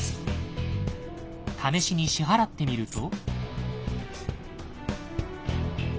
試しに支払ってみると。